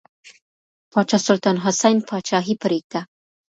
پاچا سلطان حسین پاچاهي پرېږده.